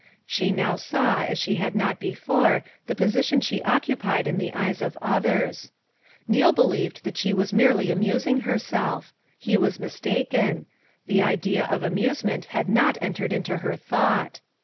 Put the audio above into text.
She saw now as she had not before the position she occupied in the eyes of 150 FOUR MOTHERS AT CHAUTAUQUA others Real believed that she was merely amusing herself; he was mistaken; the Idea of amusement had not entered into her thought.